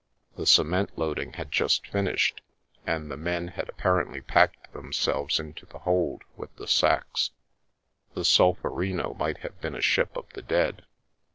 The cement loading had just finished, and the men had apparently packed themselves into the hold with the sacks ; the Solferino might have been a ship of the dead.